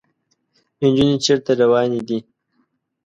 انجونې چېرته روانې دي ؟